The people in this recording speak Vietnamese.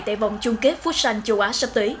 tại vòng chung kết phút sành châu á sắp tới